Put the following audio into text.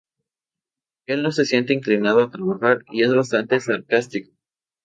Él no se siente inclinado a trabajar y es bastante sarcástico.